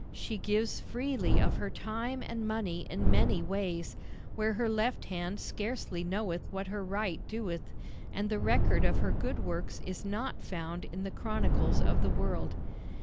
She gives freely of her time and money in many ways, where her left hand scarcely knoweth what her right doeth, and the record of her good works is not found in the chronicles of the world.